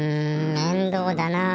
めんどうだなあ。